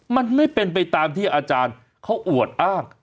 มันไม่เป็นไปตามที่อาจารย์เขาอวดอ้าง